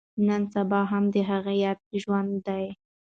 نن سبا هم د هغه ياد ژوندی دی.